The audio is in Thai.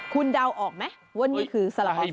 คุณเดาออกไหมว่านี่คือซาระเป่าไส้อะไร